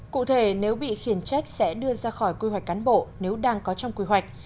cụ thể nếu bị khiển trách sẽ đưa ra khỏi quy hoạch cán bộ nếu đang có trong quy hoạch